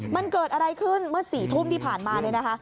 มันเกิดอะไรขึ้นเมื่อ๔ทุ่มที่ผ่านมาเนี่ยนะคะ